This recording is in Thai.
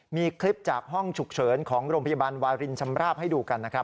มีคลิปจากห้องฉุกเฉินของโรงพยาบาลวารินชำราบให้ดูกันนะครับ